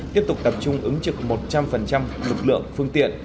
tiếp tục tập trung ứng trực một trăm linh lực lượng phương tiện